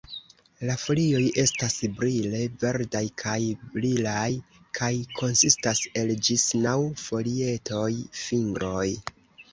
La folioj estas brile verdaj kaj brilaj kaj konsistas el ĝis naŭ folietoj (fingroj).